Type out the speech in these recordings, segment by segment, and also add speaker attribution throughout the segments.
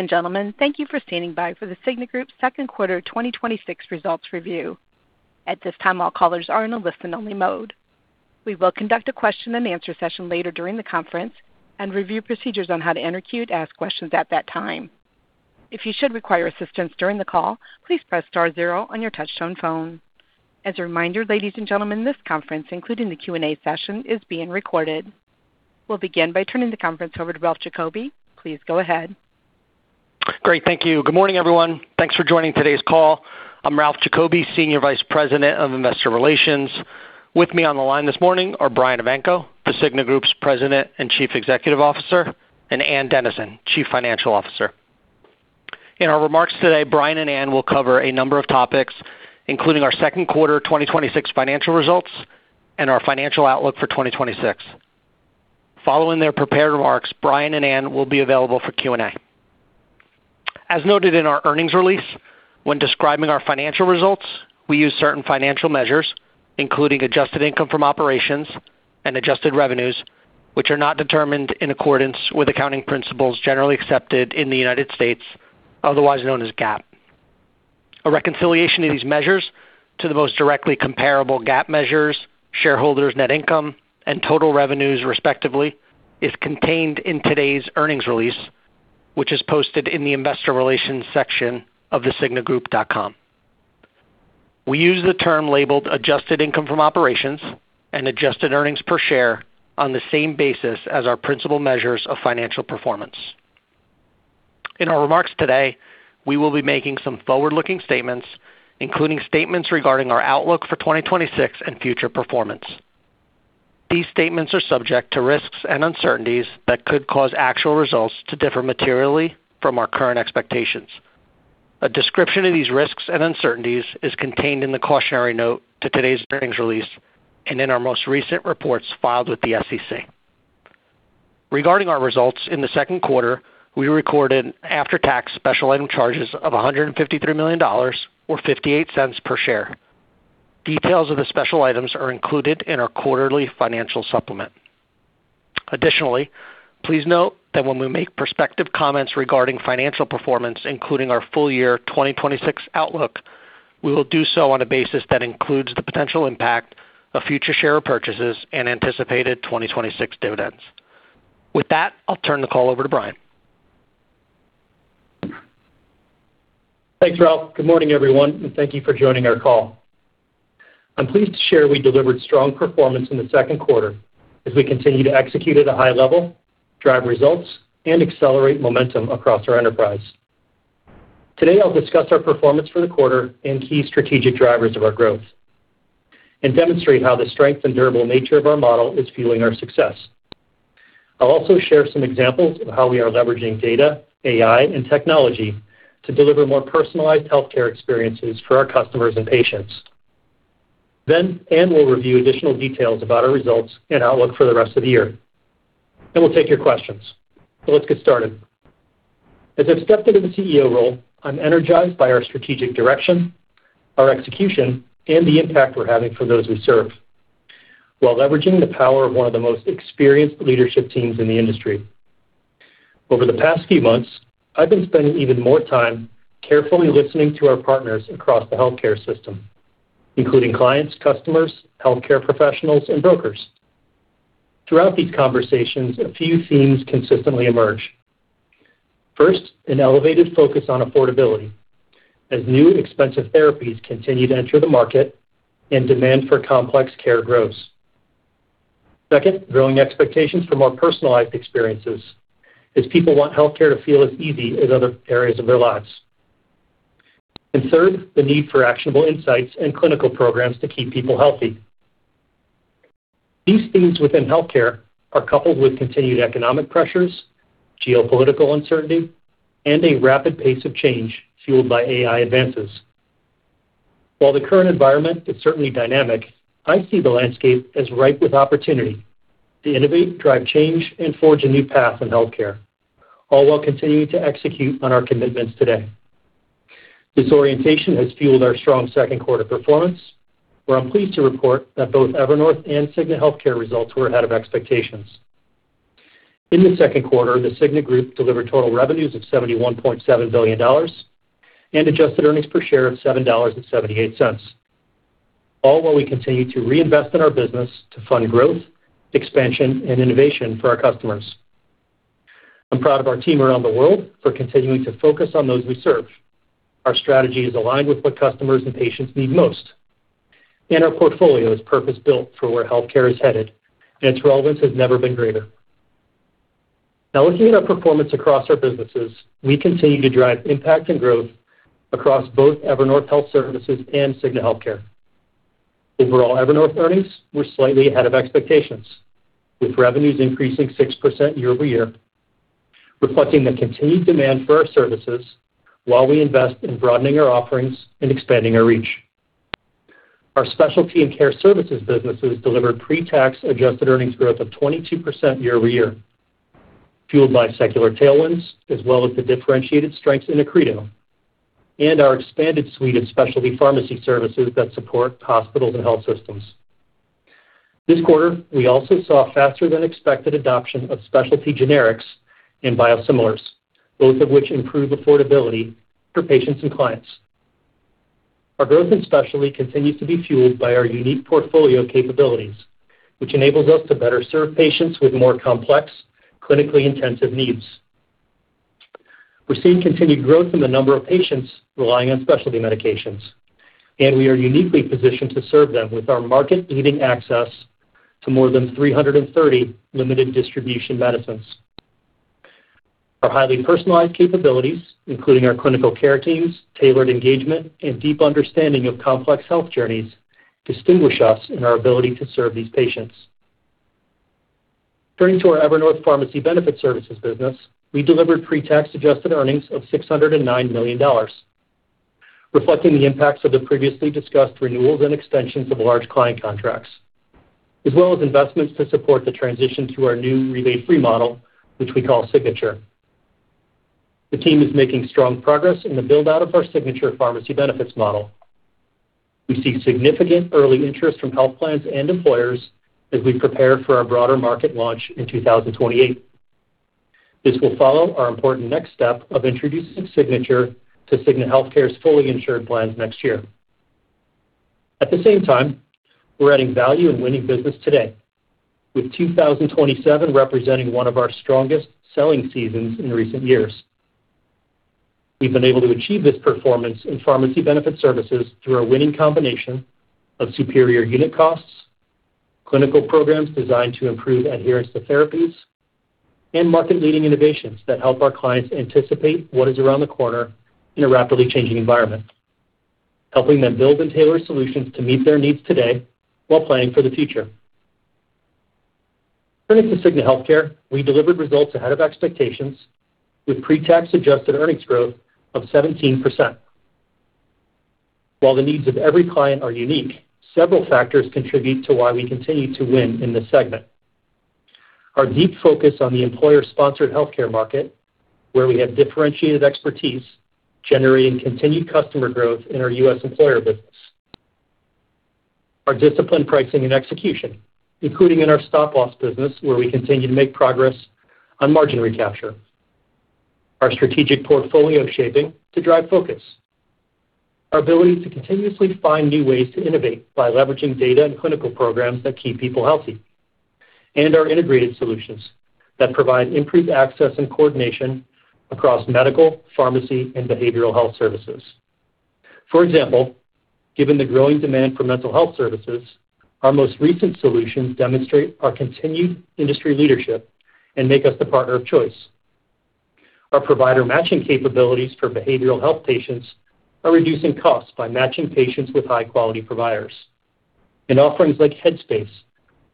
Speaker 1: Ladies and gentlemen, thank you for standing by for The Cigna Group second quarter 2026 results review. At this time, all callers are in a listen-only mode. We will conduct a question-and-answer session later during the conference and review procedures on how to enter queue to ask questions at that time. If you should require assistance during the call, please press star zero on your touchtone phone. As a reminder, ladies and gentlemen, this conference, including the Q&A session, is being recorded. We'll begin by turning the conference over to Ralph Giacobbe. Please go ahead.
Speaker 2: Great. Thank you. Good morning, everyone. Thanks for joining today's call. I'm Ralph Giacobbe, Senior Vice President of Investor Relations. With me on the line this morning are Brian Evanko, The Cigna Group's President and Chief Executive Officer, and Ann Dennison, Chief Financial Officer. In our remarks today, Brian and Ann will cover a number of topics, including our second quarter 2026 financial results and our financial outlook for 2026. Following their prepared remarks, Brian and Ann will be available for Q&A. As noted in our earnings release, when describing our financial results, we use certain financial measures, including adjusted income from operations and adjusted revenues, which are not determined in accordance with accounting principles generally accepted in the United States, otherwise known as GAAP. A reconciliation of these measures to the most directly comparable GAAP measures, shareholders net income, and total revenues, respectively, is contained in today's earnings release, which is posted in the investor relations section of thecignagroup.com. We use the term labeled adjusted income from operations and adjusted earnings per share on the same basis as our principal measures of financial performance. In our remarks today, we will be making some forward-looking statements, including statements regarding our outlook for 2026 and future performance. These statements are subject to risks and uncertainties that could cause actual results to differ materially from our current expectations. A description of these risks and uncertainties is contained in the cautionary note to today's earnings release and in our most recent reports filed with the SEC. Regarding our results, in the second quarter, we recorded after-tax special item charges of $153 million, or $0.58 per share. Details of the special items are included in our quarterly financial supplement. Additionally, please note that when we make prospective comments regarding financial performance, including our full year 2026 outlook, we will do so on a basis that includes the potential impact of future share purchases and anticipated 2026 dividends. With that, I'll turn the call over to Brian.
Speaker 3: Thanks, Ralph. Good morning, everyone. Thank you for joining our call. I'm pleased to share we delivered strong performance in the second quarter as we continue to execute at a high level, drive results, and accelerate momentum across our enterprise. Today, I'll discuss our performance for the quarter and key strategic drivers of our growth and demonstrate how the strength and durable nature of our model is fueling our success. I'll also share some examples of how we are leveraging data, AI, and technology to deliver more personalized healthcare experiences for our customers and patients. Ann will review additional details about our results and outlook for the rest of the year. Then we'll take your questions. Let's get started. As I've stepped into the CEO role, I'm energized by our strategic direction, our execution, and the impact we're having for those we serve, while leveraging the power of one of the most experienced leadership teams in the industry. Over the past few months, I've been spending even more time carefully listening to our partners across the healthcare system, including clients, customers, healthcare professionals, and brokers. Throughout these conversations, a few themes consistently emerge. First, an elevated focus on affordability as new expensive therapies continue to enter the market and demand for complex care grows. Second, growing expectations for more personalized experiences as people want healthcare to feel as easy as other areas of their lives. Third, the need for actionable insights and clinical programs to keep people healthy. These themes within healthcare are coupled with continued economic pressures, geopolitical uncertainty, and a rapid pace of change fueled by AI advances. While the current environment is certainly dynamic, I see the landscape as ripe with opportunity to innovate, drive change, and forge a new path in healthcare, all while continuing to execute on our commitments today. This orientation has fueled our strong second quarter performance, where I'm pleased to report that both Evernorth and Cigna Healthcare results were ahead of expectations. In the second quarter, The Cigna Group delivered total revenues of $71.7 billion and adjusted earnings per share of $7.78, all while we continue to reinvest in our business to fund growth, expansion, and innovation for our customers. I'm proud of our team around the world for continuing to focus on those we serve. Our strategy is aligned with what customers and patients need most. Our portfolio is purpose-built for where healthcare is headed, and its relevance has never been greater. Now, looking at our performance across our businesses, we continue to drive impact and growth across both Evernorth Health Services and Cigna Healthcare. Overall Evernorth earnings were slightly ahead of expectations, with revenues increasing 6% year-over-year, reflecting the continued demand for our services while we invest in broadening our offerings and expanding our reach. Our Specialty and Care Services businesses delivered pre-tax adjusted earnings growth of 22% year-over-year, fueled by secular tailwinds as well as the differentiated strengths in Accredo and our expanded suite of specialty pharmacy services that support hospitals and health systems. This quarter, we also saw faster than expected adoption of specialty generics and biosimilars, both of which improve affordability for patients and clients. Our growth in specialty continues to be fueled by our unique portfolio capabilities, which enables us to better serve patients with more complex, clinically intensive needs. We're seeing continued growth in the number of patients relying on specialty medications, and we are uniquely positioned to serve them with our market-leading access to more than 330 limited distribution medicines. Our highly personalized capabilities, including our clinical care teams, tailored engagement, and deep understanding of complex health journeys, distinguish us in our ability to serve these patients. Turning to our Evernorth Pharmacy Benefit Services business. We delivered pre-tax adjusted earnings of $609 million, reflecting the impacts of the previously discussed renewals and extensions of large client contracts, as well as investments to support the transition to our new rebate-free model, which we call Signature. The team is making strong progress in the build-out of our Signature Pharmacy Benefits model. We see significant early interest from health plans and employers as we prepare for our broader market launch in 2028. This will follow our important next step of introducing Signature to Cigna Healthcare's fully insured plans next year. At the same time, we're adding value and winning business today, with 2027 representing one of our strongest selling seasons in recent years. We've been able to achieve this performance in pharmacy benefit services through a winning combination of superior unit costs, clinical programs designed to improve adherence to therapies, and market-leading innovations that help our clients anticipate what is around the corner in a rapidly changing environment, helping them build and tailor solutions to meet their needs today while planning for the future. Turning to Cigna Healthcare, we delivered results ahead of expectations with pre-tax adjusted earnings growth of 17%. While the needs of every client are unique, several factors contribute to why we continue to win in this segment. Our deep focus on the employer-sponsored healthcare market, where we have differentiated expertise, generating continued customer growth in our U.S. employer business. Our disciplined pricing and execution, including in our stop-loss business, where we continue to make progress on margin recapture. Our strategic portfolio shaping to drive focus. Our ability to continuously find new ways to innovate by leveraging data and clinical programs that keep people healthy. And our integrated solutions that provide increased access and coordination across medical, pharmacy, and behavioral health services. For example, given the growing demand for mental health services, our most recent solutions demonstrate our continued industry leadership and make us the partner of choice. Our provider matching capabilities for behavioral health patients are reducing costs by matching patients with high-quality providers, and offerings like Headspace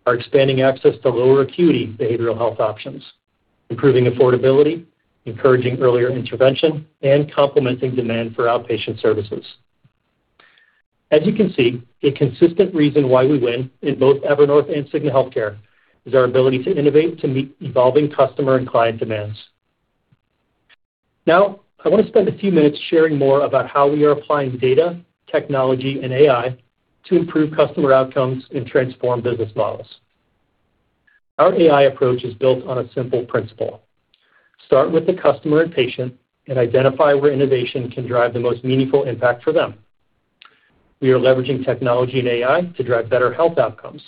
Speaker 3: are expanding access to lower acuity behavioral options, improving affordability, encouraging earlier intervention, and complementing demand for outpatient services. As you can see, a consistent reason why we win in both Evernorth and Cigna Healthcare is our ability to innovate to meet evolving customer and client demands. Now, I want to spend a few minutes sharing more about how we are applying data, technology, and AI to improve customer outcomes and transform business models. Our AI approach is built on a simple principle. Start with the customer and patient and identify where innovation can drive the most meaningful impact for them. We are leveraging technology and AI to drive better health outcomes,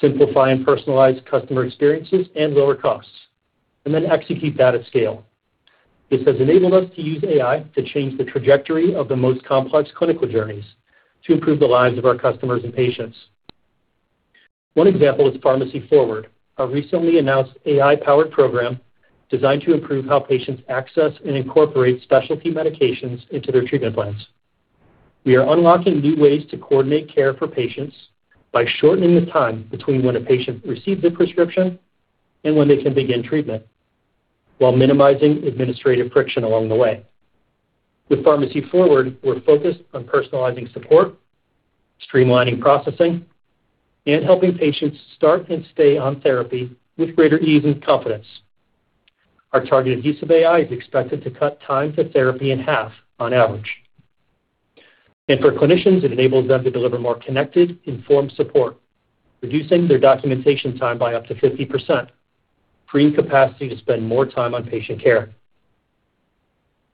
Speaker 3: simplify and personalize customer experiences and lower costs, and then execute that at scale. This has enabled us to use AI to change the trajectory of the most complex clinical journeys to improve the lives of our customers and patients. One example is Pharmacy Forward, our recently announced AI-powered program designed to improve how patients access and incorporate specialty medications into their treatment plans. We are unlocking new ways to coordinate care for patients by shortening the time between when a patient receives a prescription and when they can begin treatment while minimizing administrative friction along the way. With Pharmacy Forward, we're focused on personalizing support, streamlining processing, and helping patients start and stay on therapy with greater ease and confidence. Our targeted use of AI is expected to cut time to therapy in half on average. For clinicians, it enables them to deliver more connected, informed support, reducing their documentation time by up to 50%, freeing capacity to spend more time on patient care.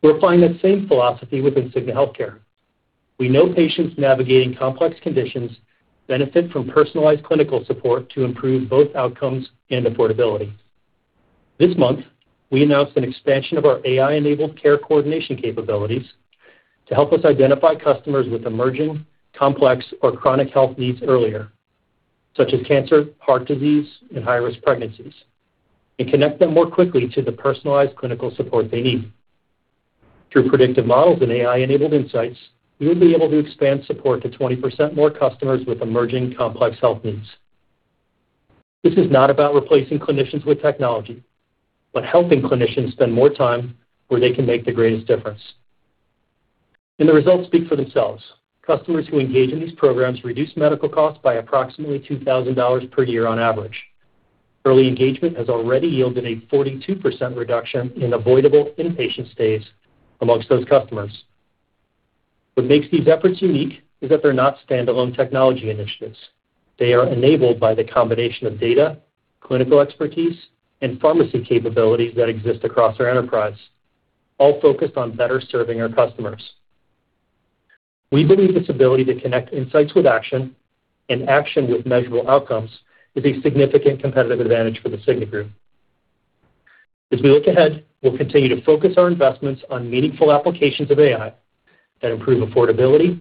Speaker 3: We're applying that same philosophy within Cigna Healthcare. We know patients navigating complex conditions benefit from personalized clinical support to improve both outcomes and affordability. This month, we announced an expansion of our AI-enabled care coordination capabilities to help us identify customers with emerging, complex, or chronic health needs earlier, such as cancer, heart disease, and high-risk pregnancies, and connect them more quickly to the personalized clinical support they need. Through predictive models and AI-enabled insights, we will be able to expand support to 20% more customers with emerging complex health needs. This is not about replacing clinicians with technology, but helping clinicians spend more time where they can make the greatest difference. The results speak for themselves. Customers who engage in these programs reduce medical costs by approximately $2,000 per year on average. Early engagement has already yielded a 42% reduction in avoidable inpatient stays amongst those customers. What makes these efforts unique is that they're not standalone technology initiatives. They are enabled by the combination of data, clinical expertise, and pharmacy capabilities that exist across our enterprise, all focused on better serving our customers. We believe this ability to connect insights with action and action with measurable outcomes is a significant competitive advantage for The Cigna Group. As we look ahead, we'll continue to focus our investments on meaningful applications of AI that improve affordability,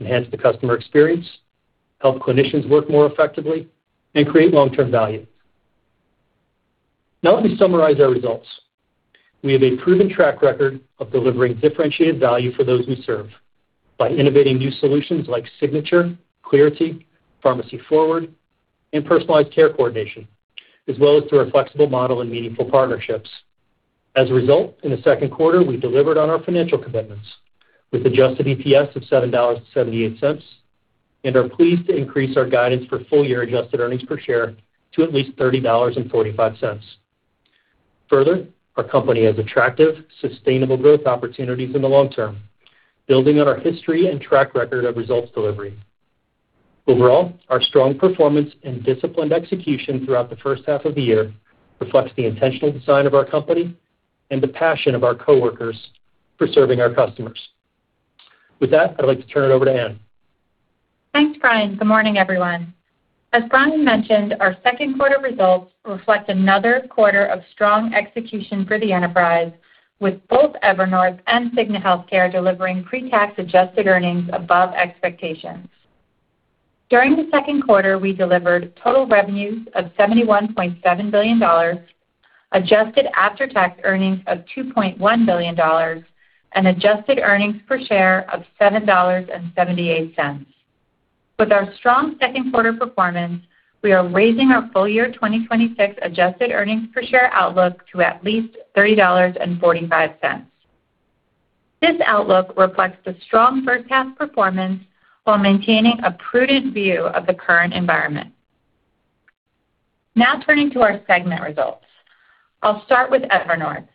Speaker 3: enhance the customer experience, help clinicians work more effectively, and create long-term value. Now let me summarize our results. We have a proven track record of delivering differentiated value for those we serve by innovating new solutions like Signature, Clarity, Pharmacy Forward, and personalized care coordination, as well as through our flexible model and meaningful partnerships. As a result, in the second quarter, we delivered on our financial commitments with adjusted EPS of $7.78 and are pleased to increase our guidance for full-year adjusted earnings per share to at least $30.45. Further, our company has attractive, sustainable growth opportunities in the long term, building on our history and track record of results delivery. Overall, our strong performance and disciplined execution throughout the first half of the year reflects the intentional design of our company and the passion of our coworkers for serving our customers. With that, I'd like to turn it over to Ann.
Speaker 4: Thanks, Brian. Good morning, everyone. As Brian mentioned, our second quarter results reflect another quarter of strong execution for the enterprise, with both Evernorth and Cigna Healthcare delivering pre-tax adjusted earnings above expectations. During the second quarter, we delivered total revenues of $71.7 billion, adjusted after-tax earnings of $2.1 billion, and adjusted earnings per share of $7.78. With our strong second quarter performance, we are raising our full-year 2026 adjusted earnings per share outlook to at least $30.45. This outlook reflects the strong first-half performance while maintaining a prudent view of the current environment. Turning to our segment results. I'll start with Evernorth.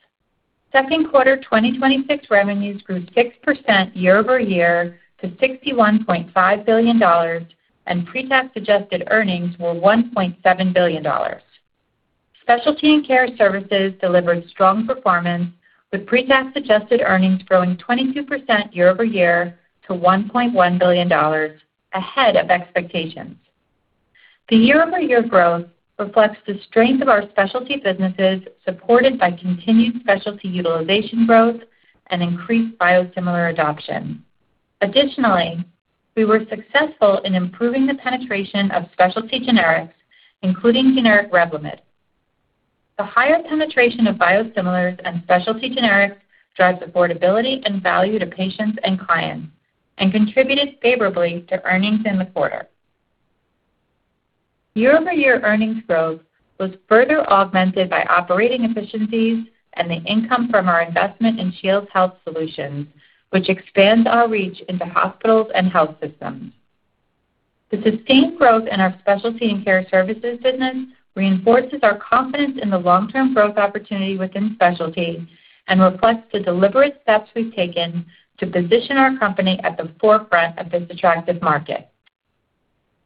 Speaker 4: Second quarter 2026 revenues grew 6% year-over-year to $61.5 billion, and pre-tax adjusted earnings were $1.7 billion. Specialty and Care Services delivered strong performance, with pre-tax adjusted earnings growing 22% year-over-year to $1.1 billion, ahead of expectations. The year-over-year growth reflects the strength of our specialty businesses, supported by continued specialty utilization growth and increased biosimilar adoption. Additionally, we were successful in improving the penetration of specialty generics, including generic REVLIMID. The higher penetration of biosimilars and specialty generics drives affordability and value to patients and clients and contributed favorably to earnings in the quarter. Year-over-year earnings growth was further augmented by operating efficiencies and the income from our investment in Shields Health Solutions, which expands our reach into hospitals and health systems. The sustained growth in our Specialty and Care Services business reinforces our confidence in the long-term growth opportunity within specialty and reflects the deliberate steps we've taken to position our company at the forefront of this attractive market.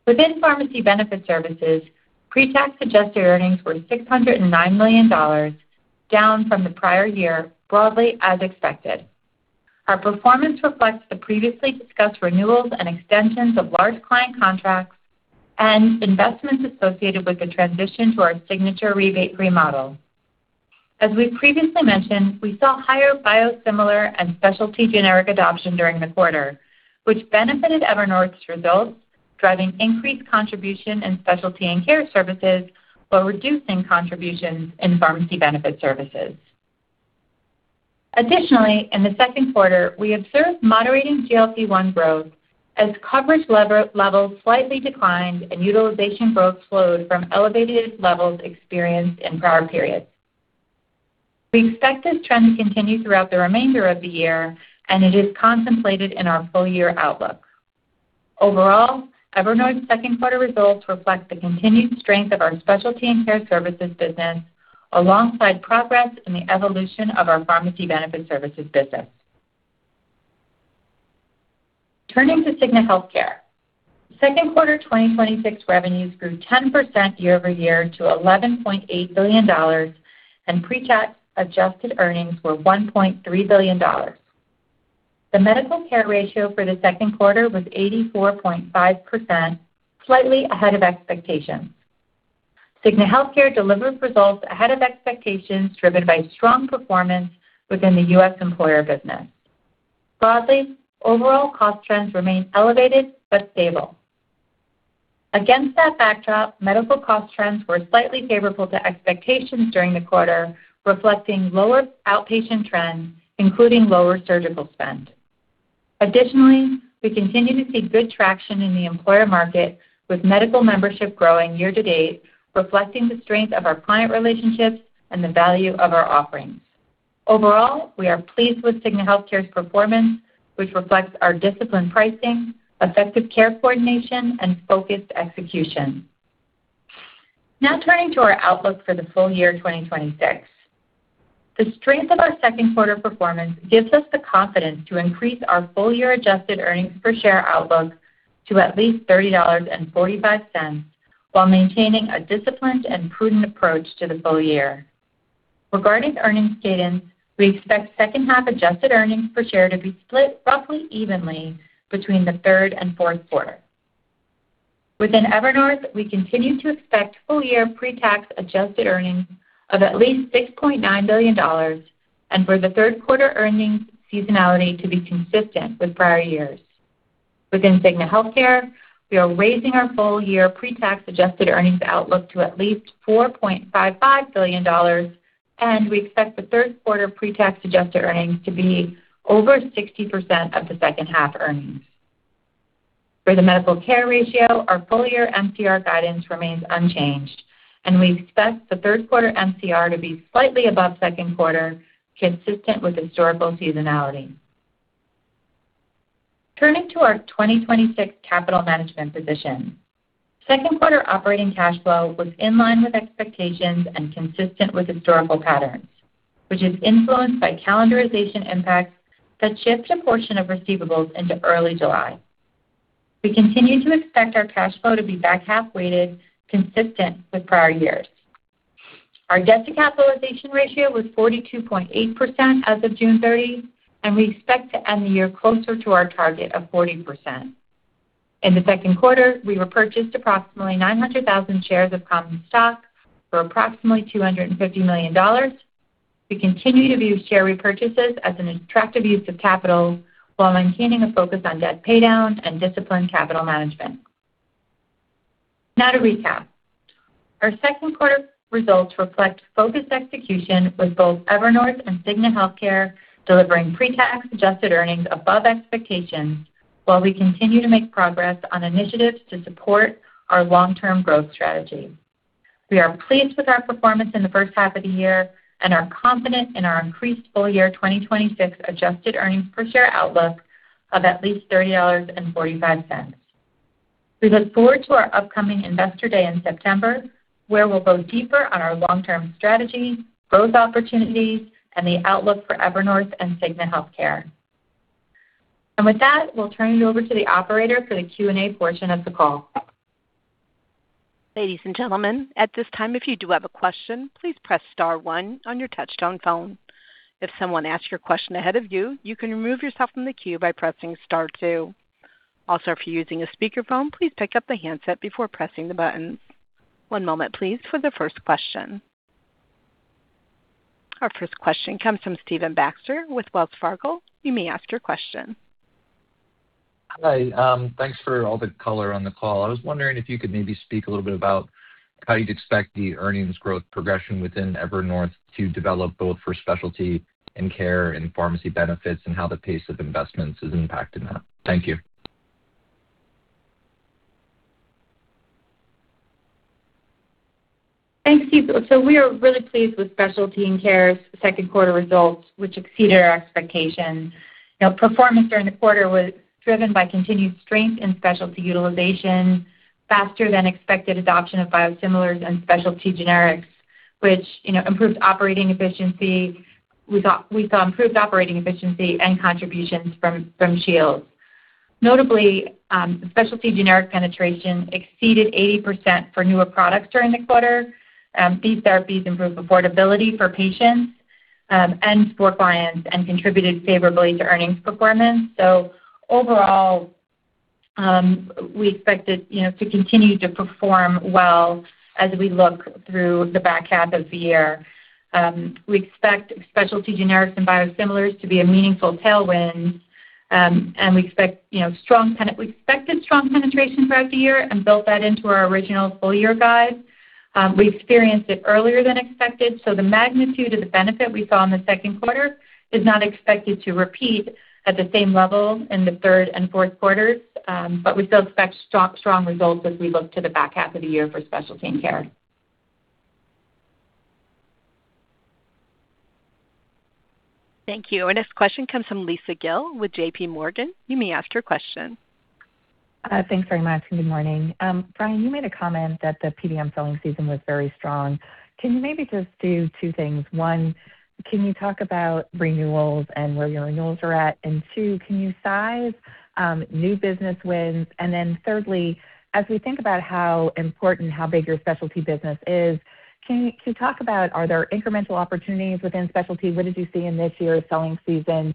Speaker 4: Within Pharmacy Benefit Services, pre-tax adjusted earnings were $609 million, down from the prior year, broadly as expected. Our performance reflects the previously discussed renewals and extensions of large client contracts and investments associated with the transition to our Signature rebate remodel. As we previously mentioned, we saw higher biosimilar and specialty generic adoption during the quarter, which benefited Evernorth's results, driving increased contribution in Specialty and Care Services while reducing contributions in Pharmacy Benefit Services. Additionally, in the second quarter, we observed moderating GLP-1 growth as coverage levels slightly declined and utilization growth slowed from elevated levels experienced in prior periods. We expect this trend to continue throughout the remainder of the year, and it is contemplated in our full-year outlook. Overall, Evernorth second quarter results reflect the continued strength of our Specialty and Care Services business alongside progress in the evolution of our Pharmacy Benefit Services business. Turning to Cigna Healthcare. Second quarter 2026 revenues grew 10% year-over-year to $11.8 billion, and pre-tax adjusted earnings were $1.3 billion. The medical care ratio for the second quarter was 84.5%, slightly ahead of expectations. Cigna Healthcare delivered results ahead of expectations, driven by strong performance within the U.S. employer business. Broadly, overall cost trends remain elevated but stable. Against that backdrop, medical cost trends were slightly favorable to expectations during the quarter, reflecting lower outpatient trends, including lower surgical spend. Additionally, we continue to see good traction in the employer market, with medical membership growing year-to-date, reflecting the strength of our client relationships and the value of our offerings. Overall, we are pleased with Cigna Healthcare's performance, which reflects our disciplined pricing, effective care coordination, and focused execution. Turning to our outlook for the full-year 2026. The strength of our second quarter performance gives us the confidence to increase our full year adjusted earnings per share outlook to at least $30.45, while maintaining a disciplined and prudent approach to the full year. Regarding earnings cadence, we expect second half adjusted earnings per share to be split roughly evenly between the third and fourth quarter. Within Evernorth, we continue to expect full year pre-tax adjusted earnings of at least $6.9 billion and for the third quarter earnings seasonality to be consistent with prior years. Within Cigna Healthcare, we are raising our full year pre-tax adjusted earnings outlook to at least $4.55 billion, and we expect the third quarter pre-tax adjusted earnings to be over 60% of the second half earnings. For the medical care ratio, our full year MCR guidance remains unchanged, and we expect the third quarter MCR to be slightly above second quarter, consistent with historical seasonality. Turning to our 2026 capital management position. Second quarter operating cash flow was in line with expectations and consistent with historical patterns, which is influenced by calendarization impacts that shift a portion of receivables into early July. We continue to expect our cash flow to be back half weighted consistent with prior years. Our debt to capitalization ratio was 42.8% as of June 30, and we expect to end the year closer to our target of 40%. In the second quarter, we repurchased approximately 900,000 shares of common stock for approximately $250 million. We continue to view share repurchases as an attractive use of capital while maintaining a focus on debt paydown and disciplined capital management. Now to recap. Our second quarter results reflect focused execution with both Evernorth and Cigna Healthcare delivering pre-tax adjusted earnings above expectations, while we continue to make progress on initiatives to support our long-term growth strategy. We are pleased with our performance in the first half of the year and are confident in our increased full year 2026 adjusted earnings per share outlook of at least $30.45. We look forward to our upcoming Investor Day in September, where we'll go deeper on our long-term strategy, growth opportunities, and the outlook for Evernorth and Cigna Healthcare. With that, we'll turn it over to the operator for the Q&A portion of the call.
Speaker 1: Ladies and gentlemen, at this time, if you do have a question, please press star one on your touchtone phone. If someone asks your question ahead of you can remove yourself from the queue by pressing star two. Also, if you're using a speakerphone, please pick up the handset before pressing the buttons. One moment, please, for the first question. Our first question comes from Stephen Baxter with Wells Fargo. You may ask your question.
Speaker 5: Hi. Thanks for all the color on the call. I was wondering if you could maybe speak a little bit about how you'd expect the earnings growth progression within Evernorth to develop, both for Specialty and Care and Pharmacy Benefits, and how the pace of investments has impacted that. Thank you.
Speaker 4: Thanks, Steve. We are really pleased with Specialty and Care's second quarter results, which exceeded our expectations. Performance during the quarter was driven by continued strength in specialty utilization, faster than expected adoption of biosimilars and specialty generics, which improved operating efficiency. We saw improved operating efficiency and contributions from Shields. Notably, specialty generic penetration exceeded 80% for newer products during the quarter. These therapies improve affordability for patients and for clients and contributed favorably to earnings performance. Overall, we expect it to continue to perform well as we look through the back half of the year. We expect specialty generics and biosimilars to be a meaningful tailwind, and we expected strong penetration throughout the year and built that into our original full year guide. We experienced it earlier than expected, the magnitude of the benefit we saw in the second quarter is not expected to repeat at the same level in the third and fourth quarters. We still expect strong results as we look to the back half of the year for Specialty and Care.
Speaker 1: Thank you. Our next question comes from Lisa Gill with JPMorgan. You may ask your question.
Speaker 6: Thanks very much. Good morning. Brian, you made a comment that the PBM selling season was very strong. Can you maybe just do two things? One, can you talk about renewals and where your renewals are at? Two, can you size new business wins? Thirdly, as we think about how important, how big your specialty business is, can you talk about are there incremental opportunities within specialty? What did you see in this year's selling season,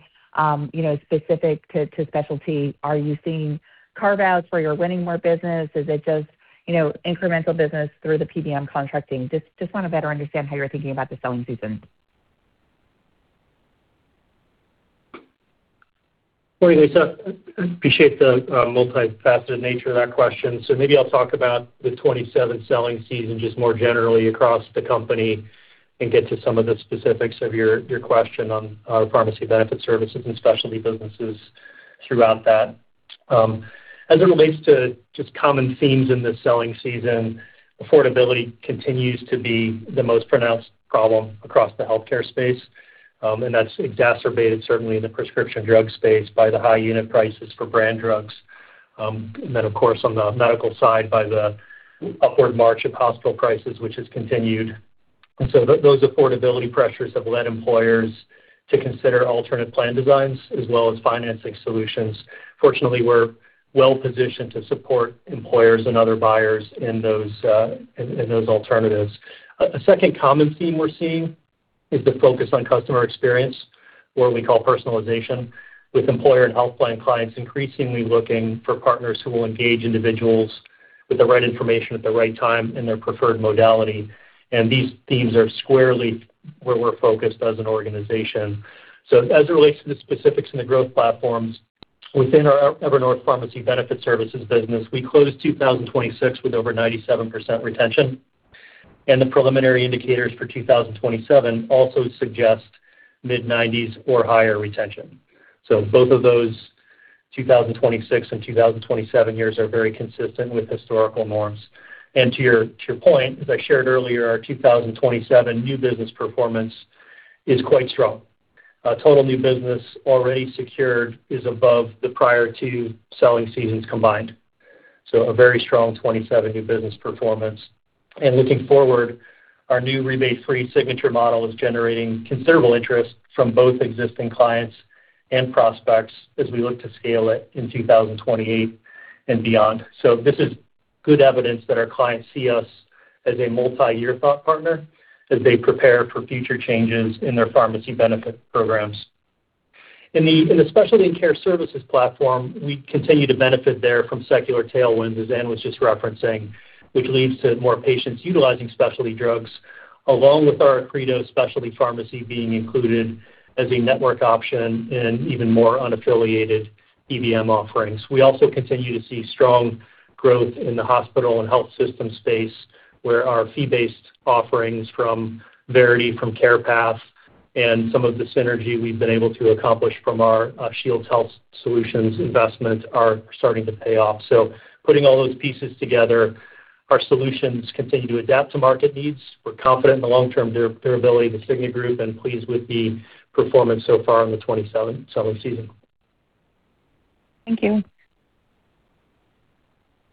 Speaker 6: specific to specialty? Are you seeing carve-outs where you're winning more business? Is it just incremental business through the PBM contracting? Just want to better understand how you're thinking about the selling season.
Speaker 3: Morning, Lisa. I appreciate the multifaceted nature of that question. Maybe I'll talk about the 2027 selling season just more generally across the company and get to some of the specifics of your question on our Evernorth Pharmacy Benefit Services and specialty businesses throughout that. As it relates to just common themes in the selling season, affordability continues to be the most pronounced problem across the healthcare space, and that's exacerbated certainly in the prescription drug space by the high unit prices for brand drugs. Of course, on the medical side by the upward march of hospital prices, which has continued. Those affordability pressures have led employers to consider alternate plan designs as well as financing solutions. Fortunately, we're well-positioned to support employers and other buyers in those alternatives. A second common theme we're seeing is the focus on customer experience, what we call personalization, with employer and health plan clients increasingly looking for partners who will engage individuals with the right information at the right time in their preferred modality. These themes are squarely where we're focused as an organization. As it relates to the specifics in the growth platforms, within our Evernorth Pharmacy Benefit Services business, we closed 2026 with over 97% retention, and the preliminary indicators for 2027 also suggest mid-90s or higher retention. Both of those, 2026 and 2027 years, are very consistent with historical norms. To your point, as I shared earlier, our 2027 new business performance is quite strong. Total new business already secured is above the prior two selling seasons combined. A very strong 2027 new business performance. Looking forward, our new rebate-free Signature model is generating considerable interest from both existing clients and prospects as we look to scale it in 2028 and beyond. This is good evidence that our clients see us as a multi-year thought partner as they prepare for future changes in their pharmacy benefit programs. In the Specialty and Care Services platform, we continue to benefit there from secular tailwinds, as Ann was just referencing, which leads to more patients utilizing specialty drugs, along with our Accredo specialty pharmacy being included as a network option in even more unaffiliated PBM offerings. We also continue to see strong growth in the hospital and health system space, where our fee-based offerings from Verity, from CarePath, and some of the synergy we've been able to accomplish from our Shields Health Solutions investment are starting to pay off. Putting all those pieces together, our solutions continue to adapt to market needs. We're confident in the long-term durability of The Cigna Group and pleased with the performance so far in the 2027 selling season.
Speaker 6: Thank you.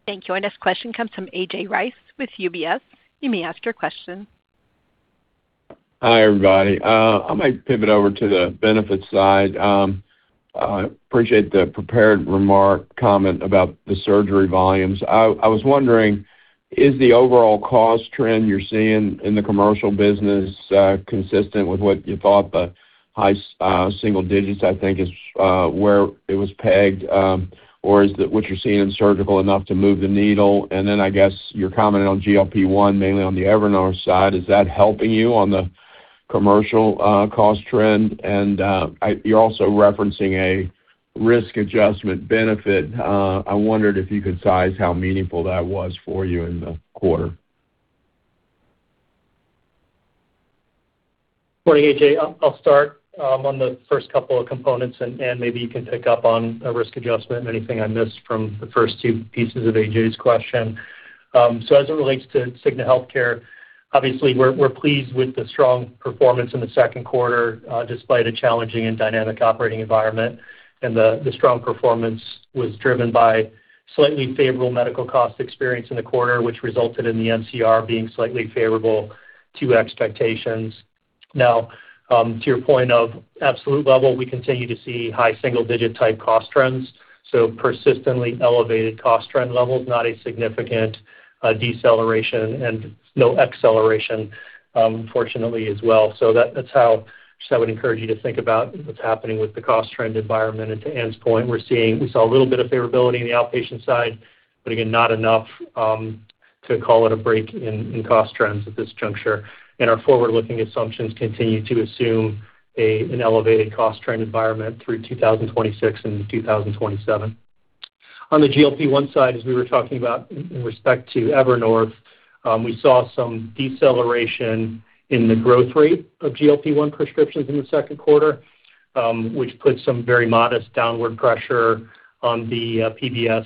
Speaker 1: Thank you. Our next question comes from A.J. Rice with UBS. You may ask your question.
Speaker 7: Hi, everybody. I might pivot over to the benefits side. I appreciate the prepared remark comment about the surgery volumes. I was wondering, is the overall cost trend you're seeing in the commercial business consistent with what you thought the high single digits, I think, is where it was pegged? Or is what you're seeing in surgical enough to move the needle? Then I guess your comment on GLP-1, mainly on the Evernorth side, is that helping you on the commercial cost trend? You're also referencing a risk adjustment benefit. I wondered if you could size how meaningful that was for you in the quarter.
Speaker 3: Morning, A.J. I'll start on the first couple of components, Ann, maybe you can pick up on risk adjustment and anything I missed from the first two pieces of A.J.'s question. As it relates to Cigna Healthcare, obviously, we're pleased with the strong performance in the second quarter, despite a challenging and dynamic operating environment. The strong performance was driven by slightly favorable medical cost experience in the quarter, which resulted in the MCR being slightly favorable to expectations. Now, to your point of absolute level, we continue to see high single digit type cost trends, persistently elevated cost trend levels, not a significant deceleration and no acceleration, fortunately, as well. That's how I would encourage you to think about what's happening with the cost trend environment. To Ann's point, we saw a little bit of favorability in the outpatient side, again, not enough to call it a break in cost trends at this juncture. Our forward-looking assumptions continue to assume an elevated cost trend environment through 2026 and 2027. On the GLP-1 side, as we were talking about in respect to Evernorth, we saw some deceleration in the growth rate of GLP-1 prescriptions in the second quarter, which put some very modest downward pressure on the PBS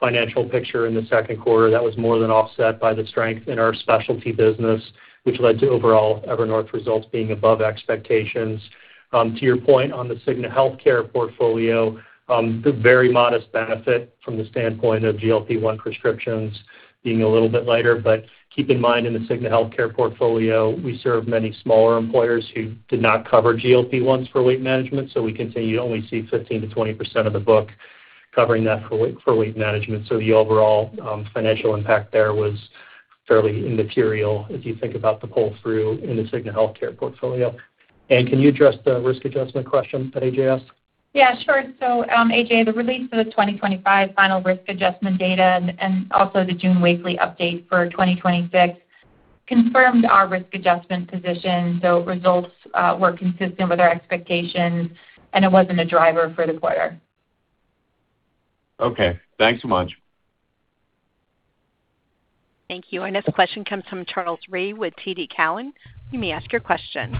Speaker 3: financial picture in the second quarter. That was more than offset by the strength in our specialty business, which led to overall Evernorth results being above expectations. To your point on the Cigna Healthcare portfolio, the very modest benefit from the standpoint of GLP-1 prescriptions being a little bit lighter. Keep in mind, in the Cigna Healthcare portfolio, we serve many smaller employers who did not cover GLP-1s for weight management. We continue to only see 15% to 20% of the book covering that for weight management. The overall financial impact there was fairly immaterial if you think about the pull-through in the Cigna Healthcare portfolio. Ann, can you address the risk adjustment question that A.J. asked?
Speaker 4: Yeah, sure. A.J., the release of the 2025 final risk adjustment data and also the June weekly update for 2026 confirmed our risk adjustment position. Results were consistent with our expectations, it wasn't a driver for the quarter.
Speaker 7: Okay. Thanks so much.
Speaker 1: Thank you. Our next question comes from Charles Rhyee with TD Cowen. You may ask your question.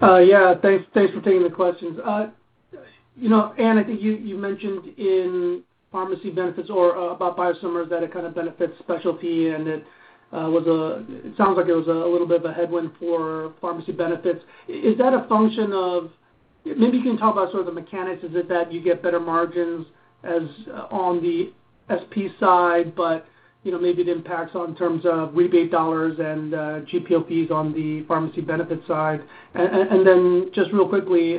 Speaker 8: Thanks for taking the questions. Ann, I think you mentioned in pharmacy benefits or about biosimilars that it kind of benefits specialty, and it sounds like it was a little bit of a headwind for pharmacy benefits. Is that a function of Maybe you can talk about sort of the mechanics. Is it that you get better margins on the SP side, but maybe it impacts on terms of rebate dollars and GPOs on the pharmacy benefit side? Then just real quickly,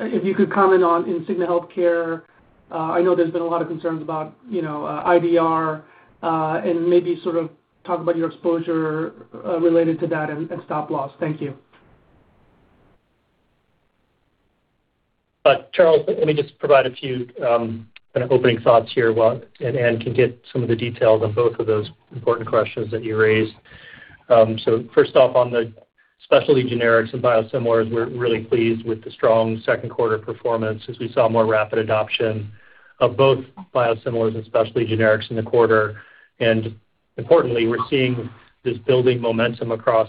Speaker 8: if you could comment on Cigna Healthcare. I know there's been a lot of concerns about IDR and maybe sort of talk about your exposure, related to that and stop-loss. Thank you.
Speaker 3: Charles, let me just provide a few kind of opening thoughts here, Ann can get some of the details on both of those important questions that you raised. First off, on the specialty generics and biosimilars, we're really pleased with the strong second quarter performance as we saw more rapid adoption of both biosimilars and specialty generics in the quarter. Importantly, we're seeing this building momentum across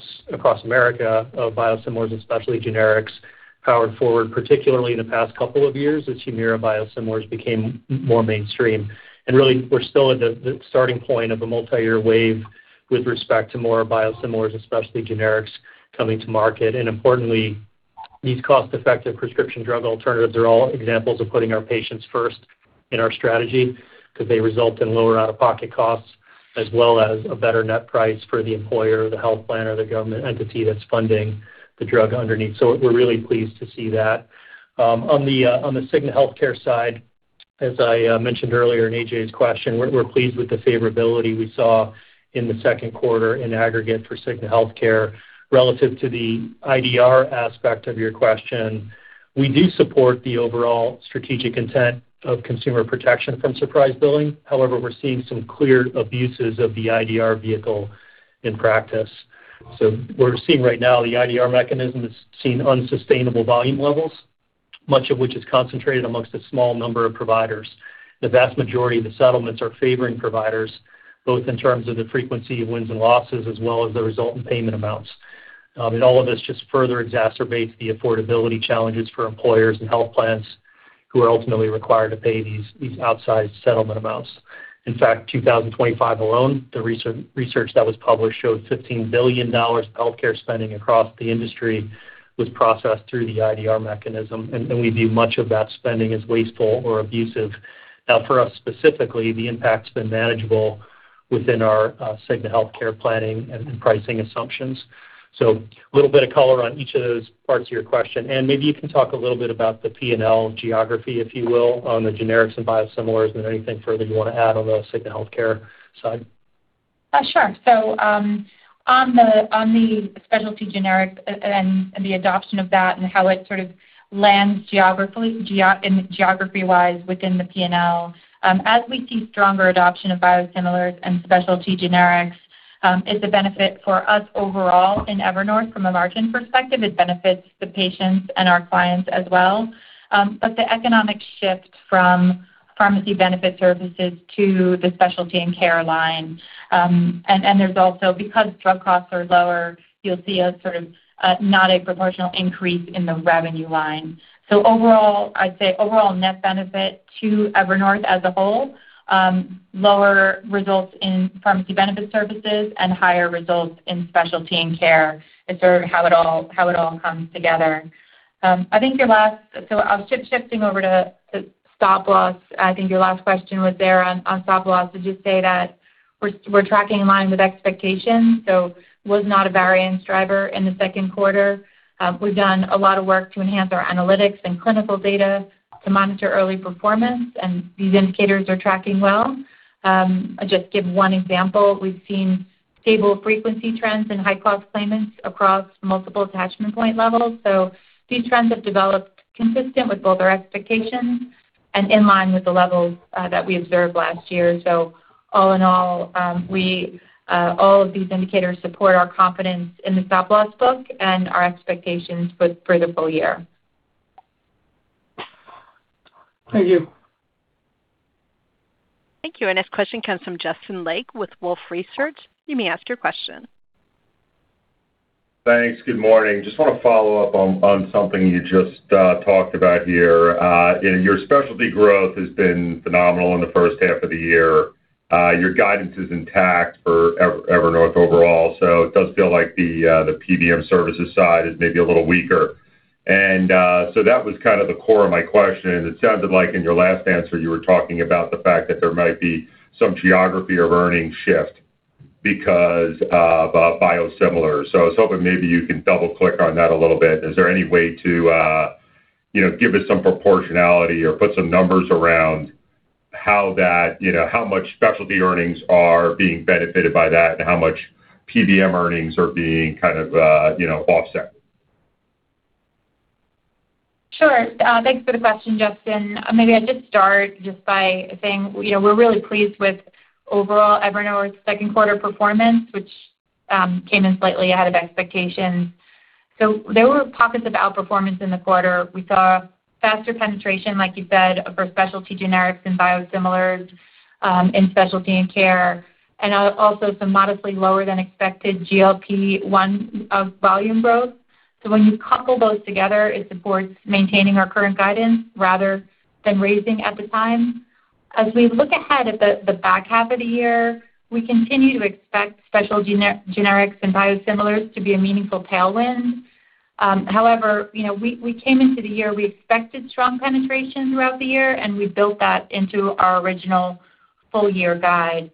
Speaker 3: America of biosimilars and specialty generics powered forward, particularly in the past couple of years as HUMIRA biosimilars became more mainstream. Really, we're still at the starting point of a multiyear wave with respect to more biosimilars, especially generics coming to market. Importantly, these cost-effective prescription drug alternatives are all examples of putting our patients first in our strategy because they result in lower out-of-pocket costs as well as a better net price for the employer, the health plan, or the government entity that's funding the drug underneath. We're really pleased to see that. On the Cigna Healthcare side, as I mentioned earlier in A.J.'s question, we're pleased with the favorability we saw in the second quarter in aggregate for Cigna Healthcare. Relative to the IDR aspect of your question, we do support the overall strategic intent of consumer protection from surprise billing. However, we're seeing some clear abuses of the IDR vehicle in practice. We're seeing right now the IDR mechanism is seeing unsustainable volume levels, much of which is concentrated amongst a small number of providers. The vast majority of the settlements are favoring providers, both in terms of the frequency of wins and losses, as well as the resultant payment amounts. All of this just further exacerbates the affordability challenges for employers and health plans who are ultimately required to pay these outsized settlement amounts. In fact, 2025 alone, the research that was published showed $15 billion of healthcare spending across the industry was processed through the IDR mechanism, and we view much of that spending as wasteful or abusive. For us specifically, the impact's been manageable within our Cigna Healthcare planning and pricing assumptions. A little bit of color on each of those parts of your question. Ann, maybe you can talk a little bit about the P&L geography, if you will, on the generics and biosimilars, and anything further you want to add on the Cigna Healthcare side.
Speaker 4: Sure. On the specialty generic and the adoption of that and how it sort of lands geography-wise within the P&L, as we see stronger adoption of biosimilars and specialty generics, it's a benefit for us overall in Evernorth from a margin perspective. It benefits the patients and our clients as well. The economic shift from Pharmacy Benefit Services to the Specialty and Care Services line, and there's also, because drug costs are lower, you'll see a sort of not a proportional increase in the revenue line. I'd say overall net benefit to Evernorth as a whole, lower results in Pharmacy Benefit Services and higher results in Specialty and Care Services is sort of how it all comes together. I was shifting over to stop-loss. I think your last question was there on stop-loss. I'd just say that we're tracking in line with expectations, was not a variance driver in the second quarter. We've done a lot of work to enhance our analytics and clinical data to monitor early performance, and these indicators are tracking well. I'll just give one example. We've seen stable frequency trends in high-cost claimants across multiple attachment point levels. These trends have developed consistent with both our expectations and in line with the levels that we observed last year. All in all of these indicators support our confidence in the stop-loss book and our expectations for the full year.
Speaker 8: Thank you.
Speaker 1: Thank you. Our next question comes from Justin Lake with Wolfe Research. You may ask your question.
Speaker 9: Thanks. Good morning. Just want to follow up on something you just talked about here. Your specialty growth has been phenomenal in the first half of the year. Your guidance is intact for Evernorth overall, it does feel like the PBM services side is maybe a little weaker. That was kind of the core of my question. It sounded like in your last answer, you were talking about the fact that there might be some geography of earnings shift because of biosimilar. I was hoping maybe you could double click on that a little bit. Is there any way to give us some proportionality or put some numbers around how much specialty earnings are being benefited by that, and how much PBM earnings are being kind of offset?
Speaker 4: Sure. Thanks for the question, Justin. Maybe I'd just start just by saying we're really pleased with overall Evernorth's second quarter performance, which came in slightly ahead of expectations. There were pockets of outperformance in the quarter. We saw faster penetration, like you said, for specialty generics and biosimilars in Specialty and Care Services, and also some modestly lower than expected GLP-1 of volume growth. When you couple those together, it supports maintaining our current guidance rather than raising at the time. As we look ahead at the back half of the year, we continue to expect special generics and biosimilars to be a meaningful tailwind. However, we came into the year, we expected strong penetration throughout the year, and we built that into our original full year guide.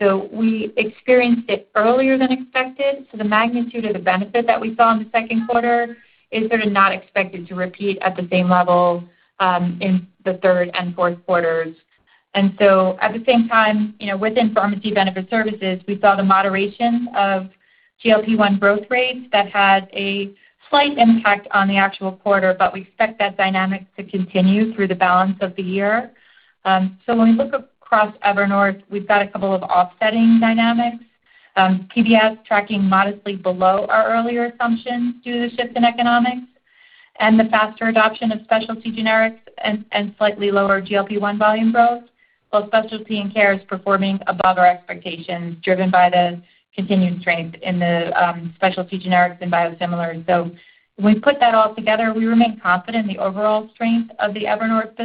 Speaker 4: We experienced it earlier than expected. The magnitude of the benefit that we saw in the second quarter is sort of not expected to repeat at the same level, in the third and fourth quarters. At the same time, within Pharmacy Benefit Services, we saw the moderation of GLP-1 growth rates that had a slight impact on the actual quarter, but we expect that dynamic to continue through the balance of the year. When we look across Evernorth, we've got a couple of offsetting dynamics. PBS tracking modestly below our earlier assumptions due to the shift in economics and the faster adoption of specialty generics and slightly lower GLP-1 volume growth. Both Specialty and Care is performing above our expectations, driven by the continued strength in the specialty generics and biosimilars. When we put that all together, we remain confident in the overall strength of the Evernorth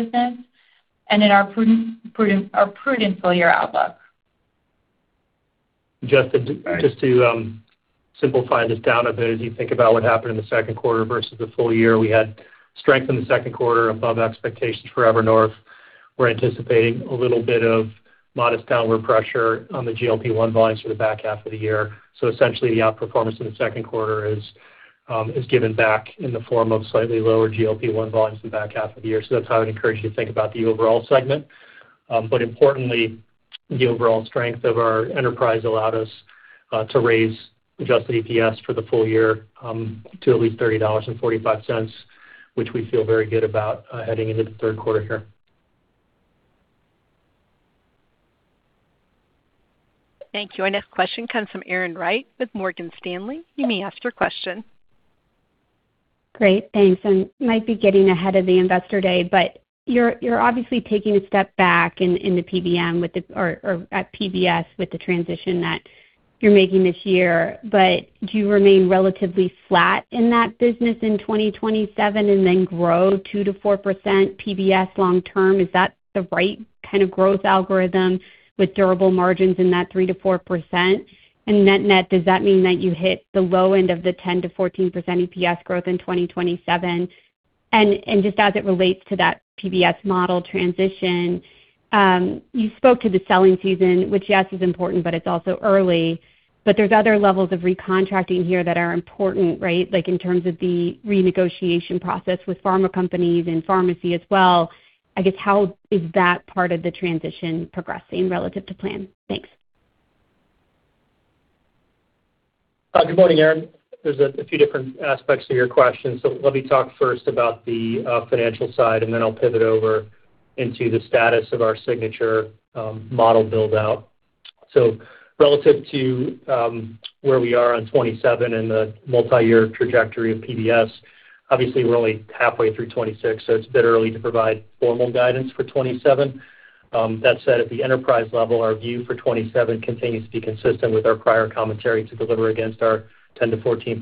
Speaker 4: business and in our prudent full year outlook.
Speaker 3: Justin, just to simplify this down a bit, as you think about what happened in the second quarter versus the full year, we had strength in the second quarter above expectations for Evernorth. We're anticipating a little bit of modest downward pressure on the GLP-1 volumes for the back half of the year. Essentially, the outperformance in the second quarter is given back in the form of slightly lower GLP-1 volumes in the back half of the year. That's how I'd encourage you to think about the overall segment. Importantly, the overall strength of our enterprise allowed us to raise adjusted EPS for the full year, to at least $30.45, which we feel very good about heading into the third quarter here.
Speaker 1: Thank you. Our next question comes from Erin Wright with Morgan Stanley. You may ask your question.
Speaker 10: Great, thanks. Might be getting ahead of the Investor Day, but you're obviously taking a step back in the PBM or at PBS with the transition that you're making this year. Do you remain relatively flat in that business in 2027 and then grow 2% to 4% PBS long term? Is that the right kind of growth algorithm with durable margins in that 3% to 4%? Net net, does that mean that you hit the low end of the 10% to 14% EPS growth in 2027? Just as it relates to that PBS model transition, you spoke to the selling season, which yes, is important, but it's also early. There's other levels of recontracting here that are important, right? Like in terms of the renegotiation process with pharma companies and pharmacy as well. I guess, how is that part of the transition progressing relative to plan? Thanks.
Speaker 3: Good morning, Erin. There's a few different aspects to your question. Let me talk first about the financial side, and then I'll pivot over into the status of our Signature model build out. Relative to where we are on 2027 and the multi-year trajectory of PBS, obviously we're only halfway through 2026, so it's a bit early to provide formal guidance for 2027. That said, at the enterprise level, our view for 2027 continues to be consistent with our prior commentary to deliver against our 10% to 14%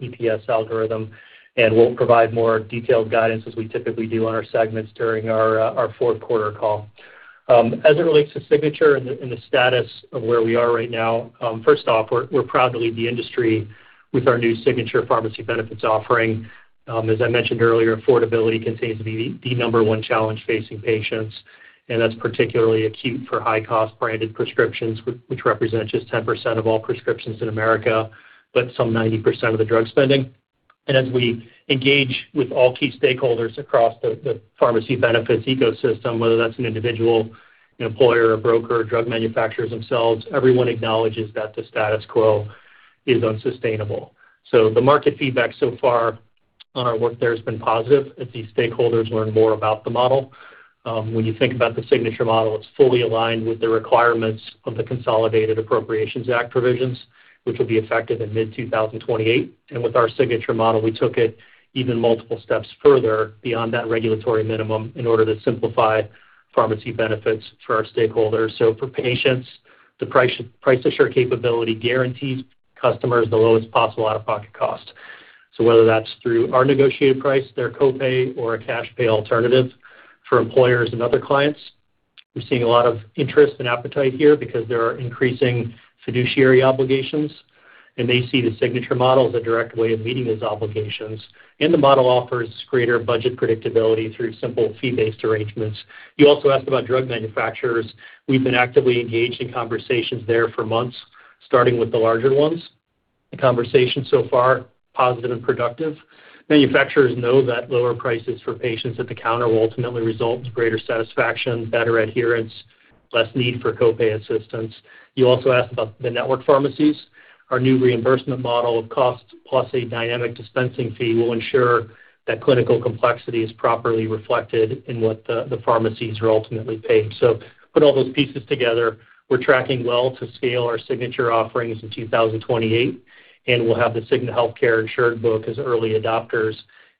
Speaker 3: EPS algorithm. We'll provide more detailed guidance, as we typically do on our segments during our fourth quarter call. As it relates to Signature and the status of where we are right now, first off, we're proud to lead the industry with our new Signature pharmacy benefits offering. As I mentioned earlier, affordability continues to be the number one challenge facing patients, and that's particularly acute for high cost branded prescriptions, which represent just 10% of all prescriptions in America, but some 90% of the drug spending. As we engage with all key stakeholders across the pharmacy benefits ecosystem, whether that's an individual, an employer, a broker, drug manufacturers themselves, everyone acknowledges that the status quo is unsustainable. The market feedback so far on our work there has been positive as these stakeholders learn more about the model. When you think about the Signature model, it's fully aligned with the requirements of the Consolidated Appropriations Act provisions, which will be effective in mid 2028. With our Signature model, we took it even multiple steps further beyond that regulatory minimum in order to simplify pharmacy benefits for our stakeholders. For patients, the Price Assure capability guarantees customers the lowest possible out-of-pocket cost. Whether that's through our negotiated price, their copay, or a cash pay alternative for employers and other clients, we're seeing a lot of interest and appetite here because there are increasing fiduciary obligations, and they see the Signature model as a direct way of meeting those obligations. The model offers greater budget predictability through simple fee-based arrangements. You also asked about drug manufacturers. We've been actively engaged in conversations there for months, starting with the larger ones. The conversation so far, positive and productive. Manufacturers know that lower prices for patients at the counter will ultimately result in greater satisfaction, better adherence, less need for copay assistance. You also asked about the network pharmacies. Our new reimbursement model of cost plus a dynamic dispensing fee will ensure that clinical complexity is properly reflected in what the pharmacies are ultimately paid. Put all those pieces together, we're tracking well to scale our Signature offerings in 2028, and we'll have the Cigna Healthcare insured book as early adopters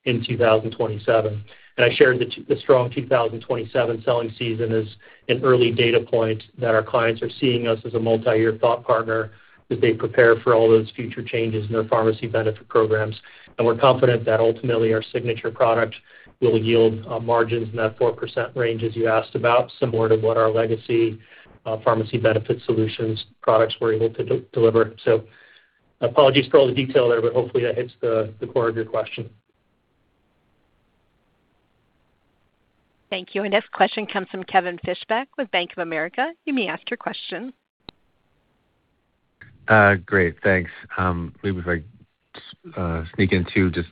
Speaker 3: in 2027. I shared the strong 2027 selling season as an early data point that our clients are seeing us as a multi-year thought partner as they prepare for all those future changes in their pharmacy benefit programs. We're confident that ultimately our Signature product will yield margins in that 4% range as you asked about, similar to what our legacy pharmacy benefit solutions products were able to deliver. Apologies for all the detail there, but hopefully that hits the core of your question.
Speaker 1: Thank you. Our next question comes from Kevin Fischbeck with Bank of America. You may ask your question.
Speaker 11: Great. Thanks. Maybe if I could sneak in two just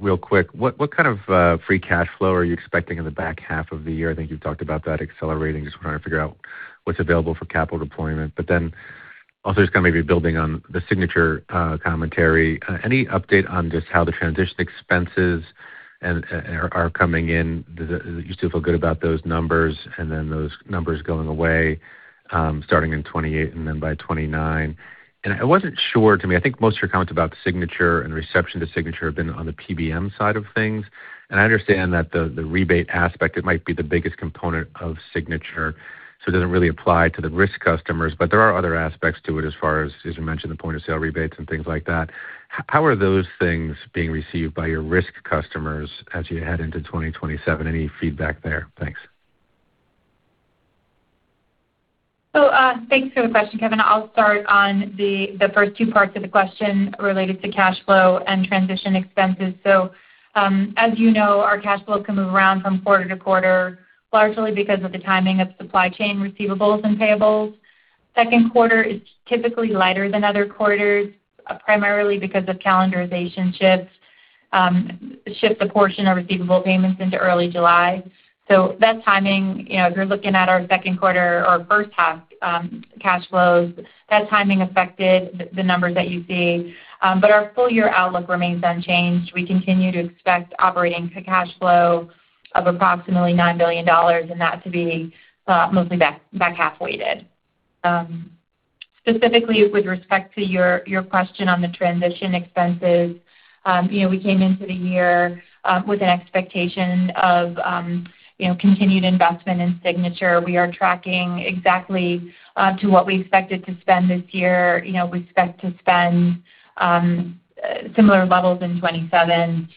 Speaker 11: real quick. What kind of free cash flow are you expecting in the back half of the year? I think you've talked about that accelerating. Just trying to figure out what's available for capital deployment. Also just kind of maybe building on the Signature commentary. Any update on just how the transition expenses are coming in? Do you still feel good about those numbers, and then those numbers going away, starting in 2028 and then by 2029? I wasn't sure, to me, I think most of your comments about Signature and reception to Signature have been on the PBM side of things. I understand that the rebate aspect, it might be the biggest component of Signature, so it doesn't really apply to the risk customers, but there are other aspects to it as far as you mentioned, the point of sale rebates and things like that. How are those things being received by your risk customers as you head into 2027? Any feedback there? Thanks.
Speaker 4: Thanks for the question, Kevin. I'll start on the first two parts of the question related to cash flow and transition expenses. As you know, our cash flow can move around from quarter to quarter, largely because of the timing of supply chain receivables and payables. Second quarter is typically lighter than other quarters, primarily because of calendarization shifts. It shifts a portion of receivable payments into early July. That timing, if you're looking at our second quarter or first half cash flows, that timing affected the numbers that you see. Our full-year outlook remains unchanged. We continue to expect operating cash flow of approximately $9 billion, and that to be mostly back-half weighted. Specifically with respect to your question on the transition expenses, we came into the year with an expectation of continued investment in Signature. We are tracking exactly to what we expected to spend this year. We expect to spend similar levels in 2027.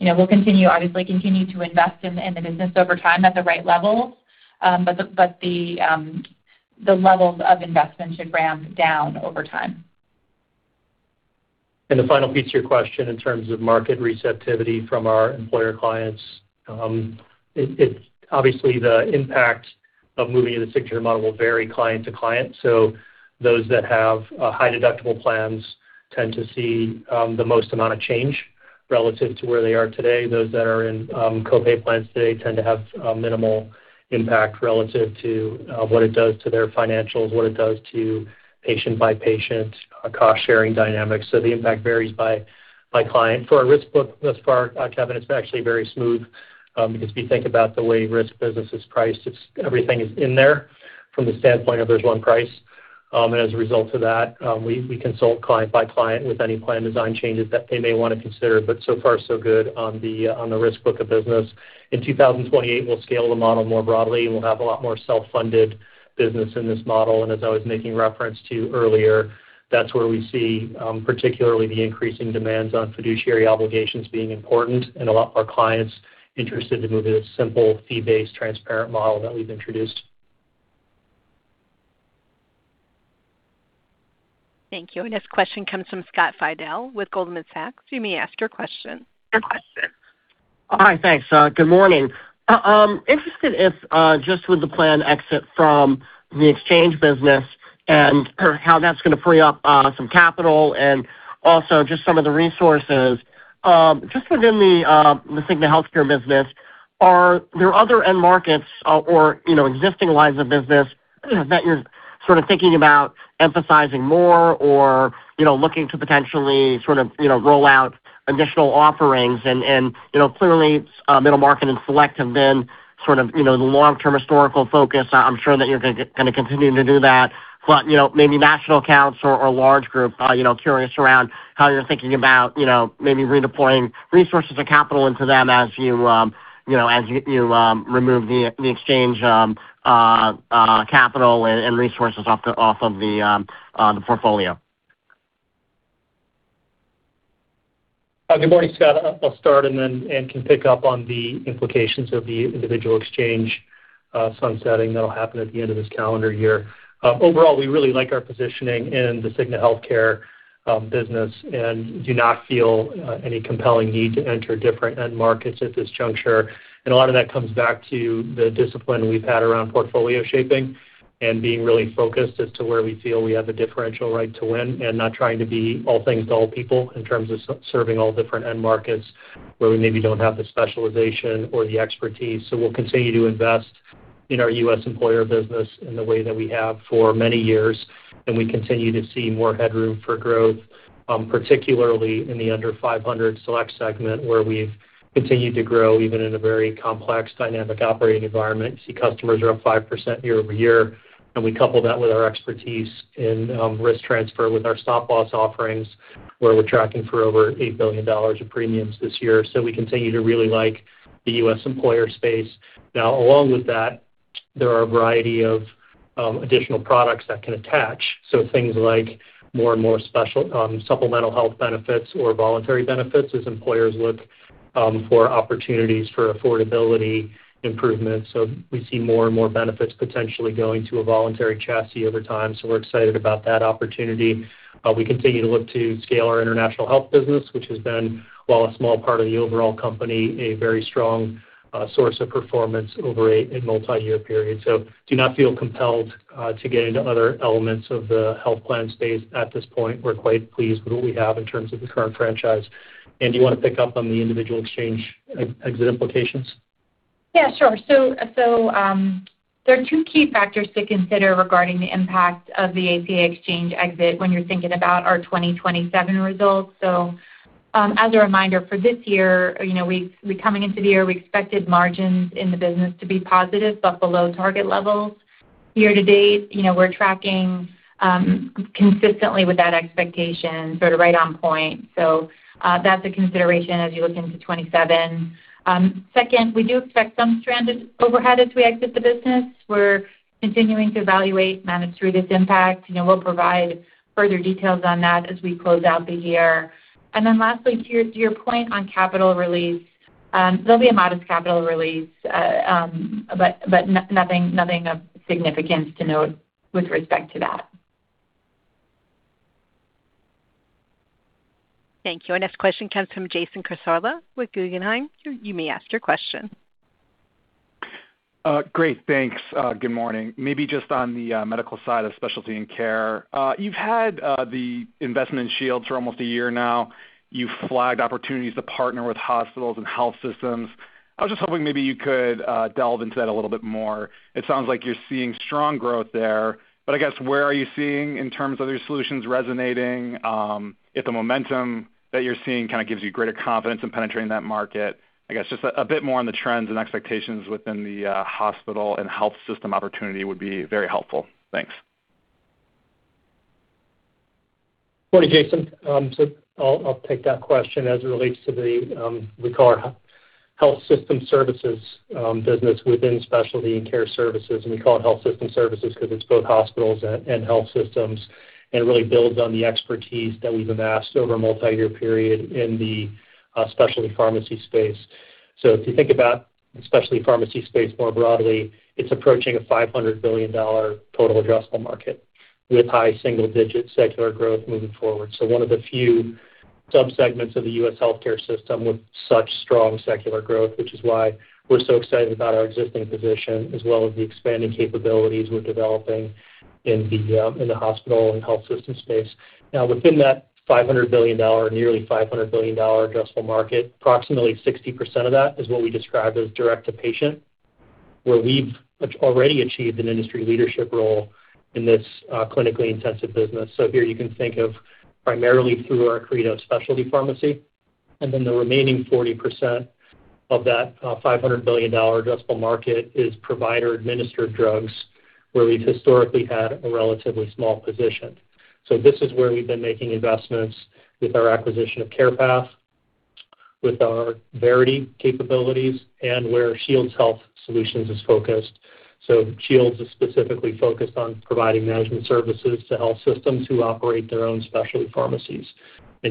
Speaker 4: We'll obviously continue to invest in the business over time at the right levels. The levels of investment should ramp down over time.
Speaker 3: The final piece to your question in terms of market receptivity from our employer clients. Obviously, the impact of moving to the Signature model will vary client to client. Those that have high deductible plans tend to see the most amount of change relative to where they are today. Those that are in co-pay plans today tend to have minimal impact relative to what it does to their financials, what it does to patient-by-patient cost-sharing dynamics. The impact varies by client. For our risk book thus far, Kevin, it's actually very smooth. Because if you think about the way risk business is priced, everything is in there from the standpoint of there's one price. As a result of that, we consult client by client with any plan design changes that they may want to consider. So far, so good on the risk book of business. In 2028, we'll scale the model more broadly, and we'll have a lot more self-funded business in this model. As I was making reference to earlier, that's where we see particularly the increasing demands on fiduciary obligations being important and a lot of our clients interested to move to a simple fee-based, transparent model that we've introduced.
Speaker 1: Thank you. Our next question comes from Scott Fidel with Goldman Sachs. You may ask your question.
Speaker 12: All right, thanks. Good morning. Interested if just with the plan exit from the exchange business and how that's going to free up some capital and also just some of the resources. Just within the Cigna Healthcare business, are there other end markets or existing lines of business that you're sort of thinking about emphasizing more or looking to potentially sort of roll out additional offerings? Clearly, middle market and select have been sort of the long-term historical focus. I'm sure that you're going to continue to do that. Maybe national accounts or large groups, curious around how you're thinking about maybe redeploying resources or capital into them as you remove the exchange capital and resources off of the portfolio.
Speaker 3: Good morning, Scott. I'll start, and then Ann can pick up on the implications of the individual exchange sunsetting that'll happen at the end of this calendar year. Overall, we really like our positioning in the Cigna Healthcare business and do not feel any compelling need to enter different end markets at this juncture. A lot of that comes back to the discipline we've had around portfolio shaping and being really focused as to where we feel we have the differential right to win and not trying to be all things to all people in terms of serving all different end markets where we maybe don't have the specialization or the expertise. We'll continue to invest in our U.S. employer business in the way that we have for many years, and we continue to see more headroom for growth, particularly in the under 500 select segment where we've continued to grow even in a very complex dynamic operating environment. Customers are up 5% year-over-year, and we couple that with our expertise in risk transfer with our stop-loss offerings, where we're tracking for over $8 billion of premiums this year. We continue to really like the U.S. employer space. Along with that, there are a variety of additional products that can attach. Things like more and more supplemental health benefits or voluntary benefits as employers look for opportunities for affordability improvements. We see more and more benefits potentially going to a voluntary chassis over time. We're excited about that opportunity. We continue to look to scale our international health business, which has been, while a small part of the overall company, a very strong source of performance over a multiyear period. Do not feel compelled to get into other elements of the health plan space at this point. We're quite pleased with what we have in terms of the current franchise. Ann, do you want to pick up on the individual exchange exit implications?
Speaker 4: Sure. There are two key factors to consider regarding the impact of the ACA exchange exit when you're thinking about our 2027 results. As a reminder for this year, coming into the year, we expected margins in the business to be positive, but below target levels. Year-to-date, we're tracking consistently with that expectation, sort of right on point. That's a consideration as you look into 2027. Second, we do expect some stranded overhead as we exit the business. We're continuing to evaluate and manage through this impact. We'll provide further details on that as we close out the year. Lastly, to your point on capital release, there'll be a modest capital release, but nothing of significance to note with respect to that.
Speaker 1: Thank you. Our next question comes from Jason Cassorla with Guggenheim. You may ask your question.
Speaker 13: Great, thanks. Good morning. Maybe just on the medical side of Specialty and Care Services. You've had the investment in Shields for almost a year now. You've flagged opportunities to partner with hospitals and health systems. I was just hoping maybe you could delve into that a little bit more. It sounds like you're seeing strong growth there, but I guess, where are you seeing in terms of your solutions resonating? If the momentum that you're seeing gives you greater confidence in penetrating that market. I guess just a bit more on the trends and expectations within the hospital and health system opportunity would be very helpful. Thanks.
Speaker 3: Morning, Jason. I'll take that question as it relates to the core health system services business within Specialty and Care Services, and we call it health system services because it's both hospitals and health systems and really builds on the expertise that we've amassed over a multi-year period in the specialty pharmacy space. If you think about the specialty pharmacy space more broadly, it's approaching a $500 billion total addressable market with high single-digit secular growth moving forward. One of the few subsegments of the U.S. healthcare system with such strong secular growth, which is why we're so excited about our existing position, as well as the expanding capabilities we're developing in the hospital and health system space. Within that $500 billion, nearly $500 billion addressable market, approximately 60% of that is what we describe as direct to patient, where we've already achieved an industry leadership role in this clinically intensive business. Here you can think of primarily through our Accredo specialty pharmacy, and then the remaining 40% of that $500 billion addressable market is provider administered drugs, where we've historically had a relatively small position. This is where we've been making investments with our acquisition of CarepathRx, with our Verity Solutions capabilities, and where Shields Health Solutions is focused. Shields is specifically focused on providing management services to health systems who operate their own specialty pharmacies.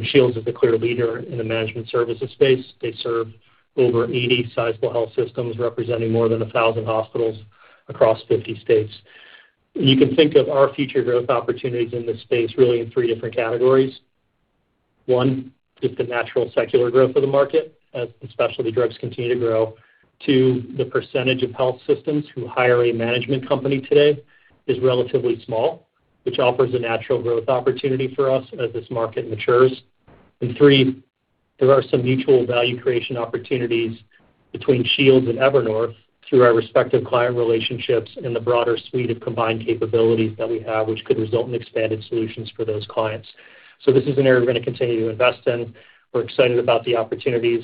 Speaker 3: Shields is the clear leader in the management services space. They serve over 80 sizable health systems representing more than 1,000 hospitals across 50 states. You can think of our future growth opportunities in this space really in three different categories. One, just the natural secular growth of the market as specialty drugs continue to grow. Two, the percentage of health systems who hire a management company today is relatively small, which offers a natural growth opportunity for us as this market matures. Three, there are some mutual value creation opportunities between Shields and Evernorth through our respective client relationships and the broader suite of combined capabilities that we have, which could result in expanded solutions for those clients. This is an area we're going to continue to invest in. We're excited about the opportunities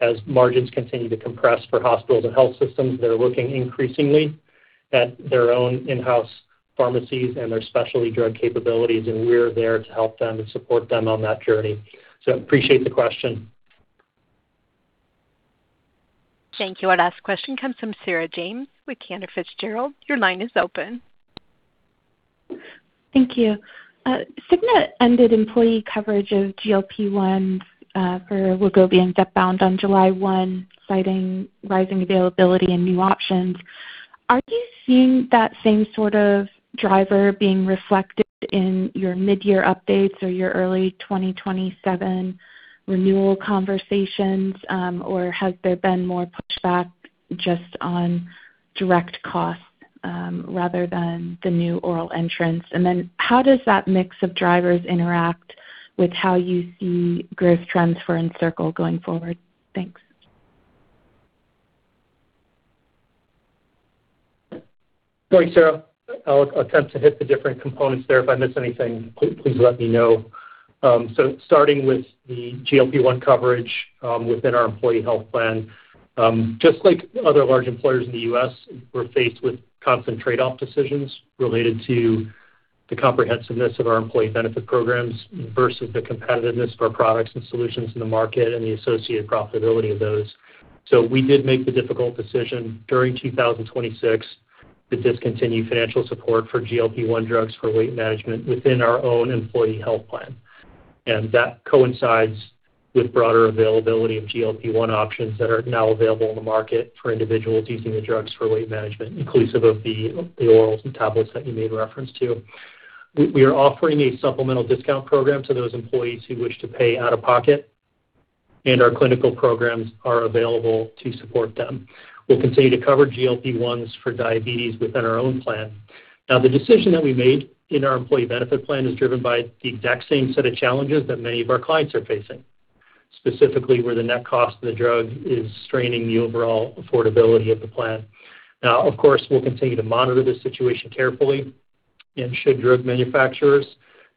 Speaker 3: as margins continue to compress for hospitals and health systems that are looking increasingly at their own in-house pharmacies and their specialty drug capabilities, and we're there to help them and support them on that journey. Appreciate the question.
Speaker 1: Thank you. Our last question comes from Sarah James with Cantor Fitzgerald. Your line is open.
Speaker 14: Thank you. Cigna ended employee coverage of GLP-1 for Wegovy and Zepbound on July 1, citing rising availability and new options. Has there been more pushback just on direct costs rather than the new oral entrants? How does that mix of drivers interact with how you see growth trends for EncircleRx going forward? Thanks.
Speaker 3: Thanks, Sarah. I'll attempt to hit the different components there. If I miss anything, please let me know. Starting with the GLP-1 coverage within our employee health plan. Just like other large employers in the U.S., we're faced with constant trade-off decisions related to the comprehensiveness of our employee benefit programs versus the competitiveness of our products and solutions in the market and the associated profitability of those. We did make the difficult decision during 2026 to discontinue financial support for GLP-1 drugs for weight management within our own employee health plan. That coincides with broader availability of GLP-1 options that are now available in the market for individuals using the drugs for weight management, inclusive of the oral tablets that you made reference to. We are offering a supplemental discount program to those employees who wish to pay out of pocket, and our clinical programs are available to support them. We'll continue to cover GLP-1s for diabetes within our own plan. The decision that we made in our employee benefit plan is driven by the exact same set of challenges that many of our clients are facing, specifically where the net cost of the drug is straining the overall affordability of the plan. Of course, we'll continue to monitor this situation carefully, and should drug manufacturers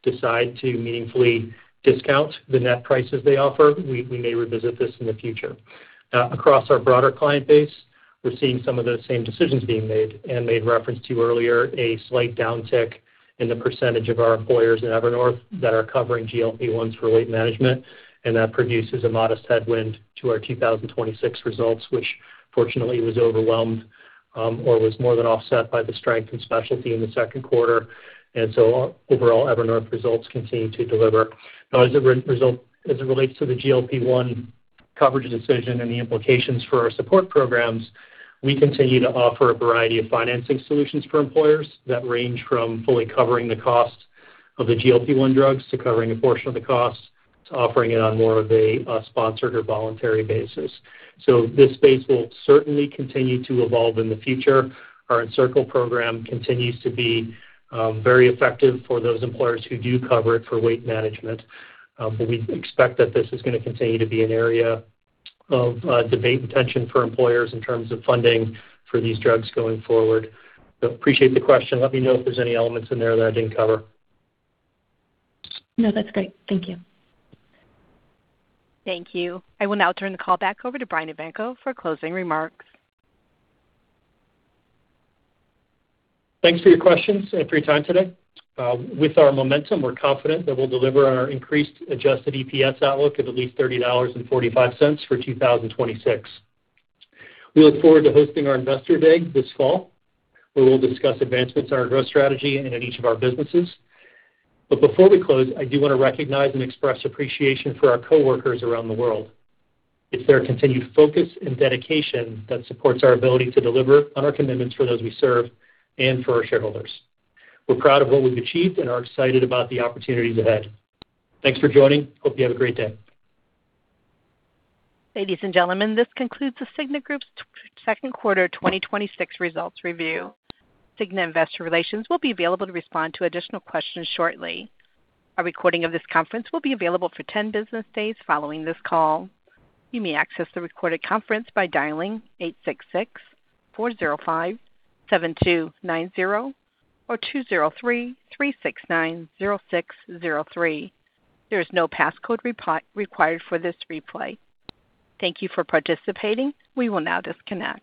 Speaker 3: decide to meaningfully discount the net prices they offer, we may revisit this in the future. Across our broader client base, we're seeing some of those same decisions being made, and made reference to earlier a slight downtick in the percentage of our employers in Evernorth that are covering GLP-1s for weight management, and that produces a modest headwind to our 2026 results, which fortunately was overwhelmed, or was more than offset by the strength in specialty in the second quarter. Overall Evernorth results continue to deliver. As it relates to the GLP-1 coverage decision and the implications for our support programs, we continue to offer a variety of financing solutions for employers that range from fully covering the cost of the GLP-1 drugs to covering a portion of the cost, to offering it on more of a sponsored or voluntary basis. This space will certainly continue to evolve in the future. Our EncircleRx program continues to be very effective for those employers who do cover it for weight management. We expect that this is going to continue to be an area of debate and tension for employers in terms of funding for these drugs going forward. Appreciate the question. Let me know if there's any elements in there that I didn't cover.
Speaker 14: No, that's great. Thank you.
Speaker 1: Thank you. I will now turn the call back over to Brian Evanko for closing remarks.
Speaker 3: Thanks for your questions and for your time today. With our momentum, we're confident that we'll deliver on our increased adjusted EPS outlook of at least $30.45 for 2026. We look forward to hosting our Investor Day this fall, where we'll discuss advancements in our growth strategy and in each of our businesses. Before we close, I do want to recognize and express appreciation for our coworkers around the world. It's their continued focus and dedication that supports our ability to deliver on our commitments for those we serve and for our shareholders. We're proud of what we've achieved and are excited about the opportunities ahead. Thanks for joining. Hope you have a great day.
Speaker 1: Ladies and gentlemen, this concludes The Cigna Group's second quarter 2026 results review. Cigna Investor Relations will be available to respond to additional questions shortly. A recording of this conference will be available for 10 business days following this call. You may access the recorded conference by dialing 866-405-7290 or 203-369-0603. There is no passcode required for this replay. Thank you for participating. We will now disconnect.